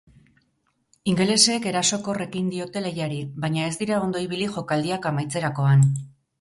Ingelesek erasokor ekin diote lehiari, baina ez dira ondo ibili jokaldiak amaitzerakoan.